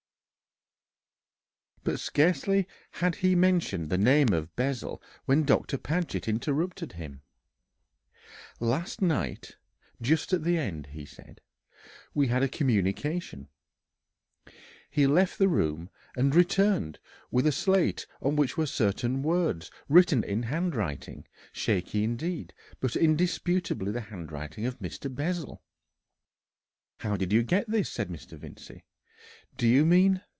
But scarcely had he mentioned the name of Bessel when Doctor Paget interrupted him. "Last night just at the end," he said, "we had a communication." He left the room, and returned with a slate on which were certain words written in a handwriting, shaky indeed, but indisputably the handwriting of Mr. Bessel! "How did you get this?" said Mr. Vincey. "Do you mean